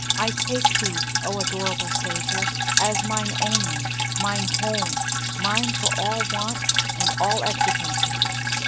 I take Thee, O adorable Saviour, as mine only, mine wholly; mine for all wants and all exigencies.